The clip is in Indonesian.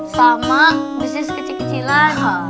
sama bisnis kecil kecilan